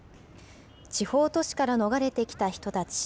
地方都市から逃れてきた人たち。